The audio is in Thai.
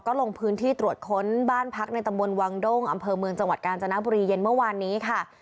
ก็ลงพื้นที่ตรวจค้นบ้านพักในตำบลวังด้งอำเภอเมืองจังหวัดกาญจนบุรีเย็นเมื่อวานนี้ค่ะ